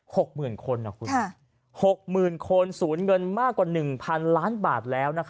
หกหมื่นคนนะคุณค่ะหกหมื่นคนศูนย์เงินมากกว่าหนึ่งพันล้านบาทแล้ว